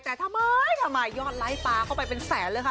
แต่ทำไมทำไมยอดไลค์ปลาเข้าไปเป็นแสนเลยค่ะ